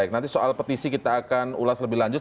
nanti soal petisi kita akan ulas lebih lanjut